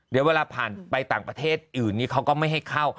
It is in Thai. เดี๋ยวเวลาผ่านไปต่างประเทศอื่นนี้เขาก็ไม่ให้เข้า